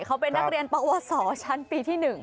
เขาเป็นนักเรียนประวัติศาสตร์ชั้นปีที่๑